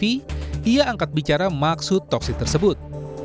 ia angkat bicara maksud toksik tersebut